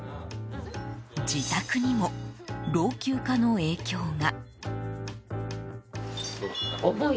自宅にも老朽化の影響が。